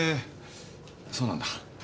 そうなんだ。